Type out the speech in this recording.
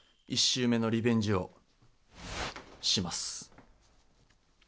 １週目のリベンジをします。